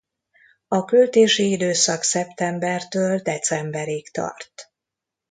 A költési időszak szeptembertől decemberig tart.